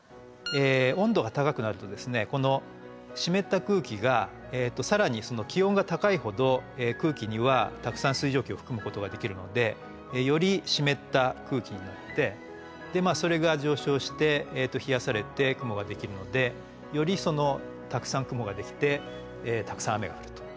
温度が高くなるとこの湿った空気が更に気温が高いほど空気にはたくさん水蒸気を含むことができるのでより湿った空気になってでそれが上昇して冷やされて雲ができるのでよりたくさん雲ができてたくさん雨が降ると。